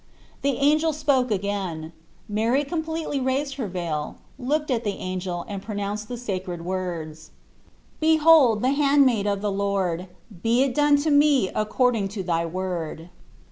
The angel spoke again. Mary completely raised her veil, looked at the angel, and pronounced the sacred words :" Behold the handmaid of the Lord ; be it done to me according to thy word."